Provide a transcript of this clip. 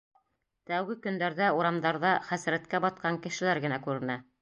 Тәүге көндәрҙә урамдарҙа хәсрәткә батҡан кешеләр генә күренә.